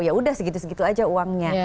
ya udah segitu segitu aja uangnya